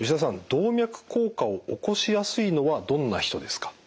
動脈硬化を起こしやすいのはどんな人ですか？